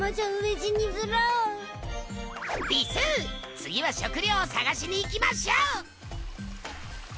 次は食料を探しにいきましょう！